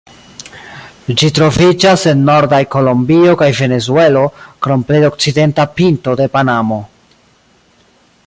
Ĝi troviĝas en nordaj Kolombio kaj Venezuelo, krom plej okcidenta pinto de Panamo.